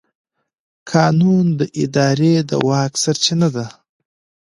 قانون د ادارې د واک سرچینه ده.